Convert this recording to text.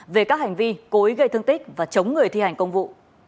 về các hành vi cố ý gây thương tích và chống người thi hành công vụ